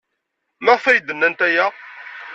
Maɣef ay d-nnant aya?